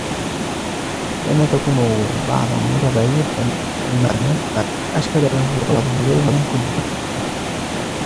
لِأَنَّهَا تَكُونُ بَعْضًا وَتَبْعِيضُ الْمَعْنَى أَشْكَلُ لَهُ وَبَعْضُهُ لَا يُغْنِي عَنْ كُلِّهِ